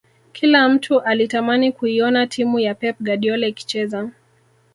Kila mtu alitamani kuiona timu ya pep guardiola ikicheza